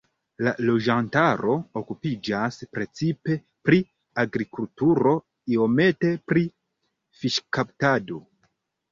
La loĝantaro okupiĝas precipe pri agrikulturo, iomete pri fiŝkaptado.